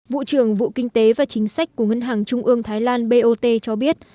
vụ trưởng vụ kinh tế và chính sách của ngân hàng trung ương thái lan bot cho biết